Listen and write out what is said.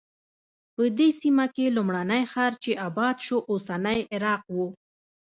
په دې سیمه کې لومړنی ښار چې اباد شو اوسنی عراق و.